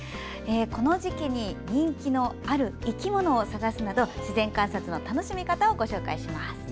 この時期に人気のある生き物を探すなど自然観察の楽しみ方をご紹介します。